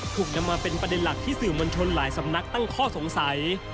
ถูกนำมาเป็นประเด็นหลักที่สื่อมวลชนหลายสำนักตั้งข้อสงสัย